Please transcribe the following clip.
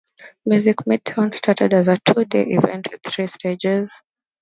Music Midtown started as a two-day event with three stages.